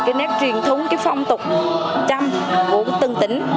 cái nét truyền thống cái phong tục trăm của từng tỉnh